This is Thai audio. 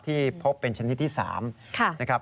ที่พบเป็นชนิดที่๓นะครับ